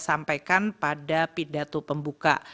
sampaikan pada pidato pembuka